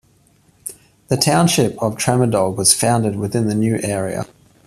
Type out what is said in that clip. The township of Tremadog was founded within the new area.